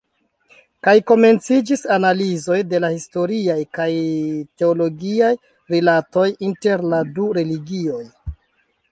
Kaj komenciĝis analizoj de la historiaj kaj teologiaj rilatoj inter la du religioj.